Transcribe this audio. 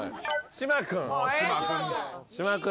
島君。